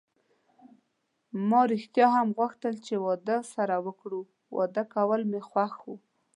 ما ریښتیا هم غوښتل چې واده سره وکړو، واده کول مې خوښ و.